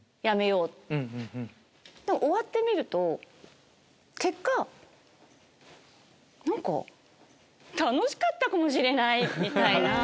終わってみると結果何か楽しかったかもしれない！みたいな。